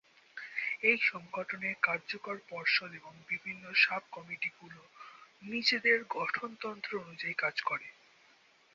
এই সংগঠনের কার্যকর পর্ষদ এবং বিভিন্ন সাব-কমিটিগুলো নিজেদের গঠনতন্ত্র অনুযায়ী কাজ করে।